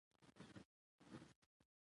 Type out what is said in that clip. بدخشان د افغانستان د فرهنګي فستیوالونو برخه ده.